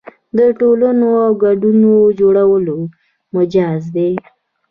د ټولنو او ګوندونو جوړول مجاز دي.